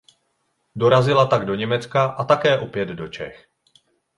Dorazila tak do Německa a také opět do Čech.